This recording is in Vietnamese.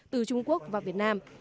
từ trung quốc vào việt nam